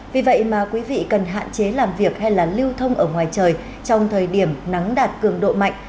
vì vậy mà quý vị cần hạn chế làm việc hay là lưu thông ở ngoài trời trong thời điểm nắng đạt cường độ mạnh